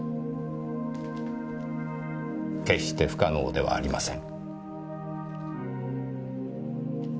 決して不可能ではありません。